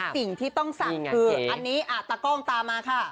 สิ่งที่ต้องสั่งนี่คือตาก้องตามมาค่ะ